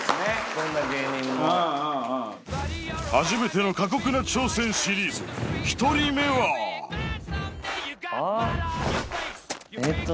どんな芸人も初めての過酷な挑戦シリーズ１人目はえっと